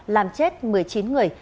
làm chết một mươi chín người